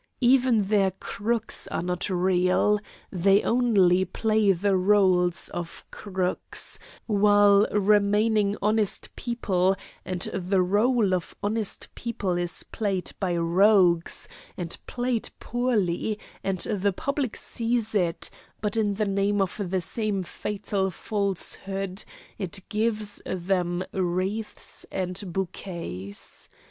Even their crooks are not real; they only play the roles of crooks, while remaining honest people; and the role of honest people is played by rogues, and played poorly, and the public sees it, but in the name of the same fatal falsehood it gives them wreaths and bouquets.